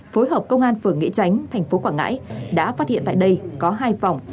phối hợp công an phường nghĩa chánh tp quảng ngãi đã phát hiện tại đây có hai phòng